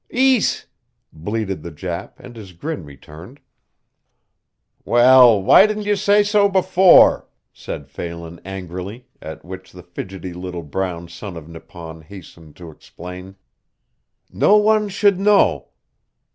"Ees!" bleated the Jap and his grin returned. "Well, why didn't you say so before?" said Phelan angrily, at which the fidgety little brown son of Nippon hastened to explain: "No one should know.